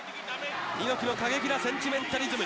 猪木の過激なセンチメンタリズム。